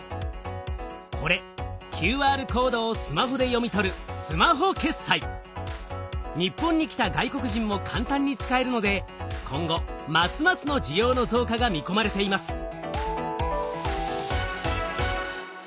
これＱＲコードをスマホで読み取る日本に来た外国人も簡単に使えるので今後ますますの需要の増加が見込まれています。